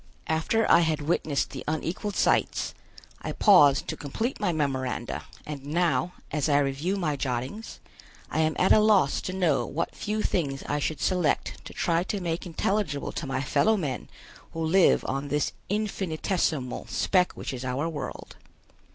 After I had witnessed the unequaled sights, I paused to complete my memoranda and now, as I review my jottings, I am at a loss to know what few things I should select to try to make intelligible to my fellow men who live on this infinitesimal speck which is our world.